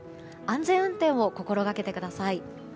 安全運転を心がけてください。